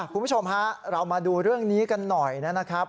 คุณผู้ชมฮะเรามาดูเรื่องนี้กันหน่อยนะครับ